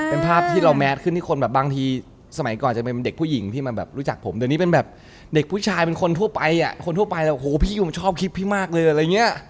เป็นภาพที่เราแมสขึ้นที่คนแบบบางทีสมัยก่อนจะเป็นเด็กผู้หญิงที่มันแบบรู้จักผมเดี๋ยวนี้เป็นแบบเด็กผู้ชายเป็นคนทั่วไปอ่ะคนทั่วไปแล้วโหพี่ก็ชอบคลิปพี่มากเลยอะไรอย่างเงี้ย